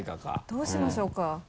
どうしましょうか？